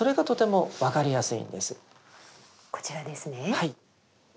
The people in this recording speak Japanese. はい。